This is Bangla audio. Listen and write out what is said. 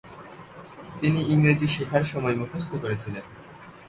তিনি ইংরেজি শেখার সময় মুখস্থ করেছিলেন।